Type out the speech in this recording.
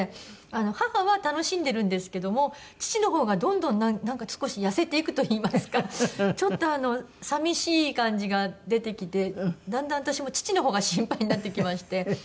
母は楽しんでるんですけども父の方がどんどんなんか少し痩せていくといいますかちょっと寂しい感じが出てきてだんだん私も父の方が心配になってきまして。